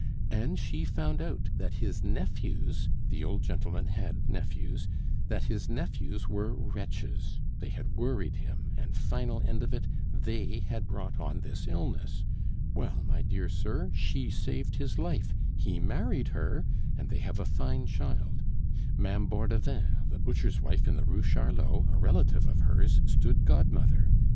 and she found out that his nephews the old gentleman had nephews that his nephews were wretches; they had worried him, and final end of it, they had brought on this illness. Well, my dear sir, she saved his life, he married her, and they have a fine child; Ma'am Bordevin, the butcher's wife in the Rue Charlot, a relative of hers, stood godmother.